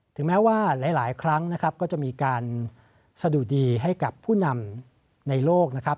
ถึงแม้ว่าหลายครั้งนะครับก็จะมีการสะดุดีให้กับผู้นำในโลกนะครับ